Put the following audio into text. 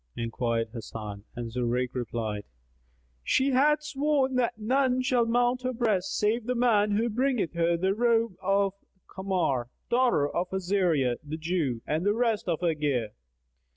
enquired Hasan; and Zurayk replied, "She hath sworn that none shall mount her breast save the man who bringeth her the robe of Kamar, daughter of Azariah the Jew and the rest of her gear."